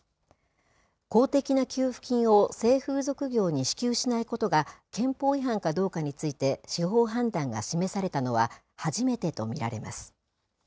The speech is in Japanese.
公的な給付金を性風俗業に支給しないことが憲法違反かどうかについて、司法判断が示されたのは、初めてと見られます。